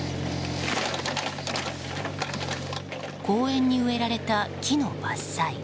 公園に植えられた木の伐採。